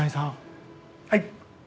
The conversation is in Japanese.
はい。